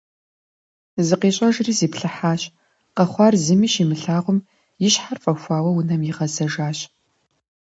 ЗыкъищӀэжри зиплъыхьащ, къэхъуар зыми щимылъагъум, и щхьэр фӀэхуауэ унэм игъэзжащ.